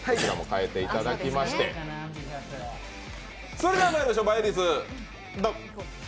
それでは、まいりましょう倍率ドン！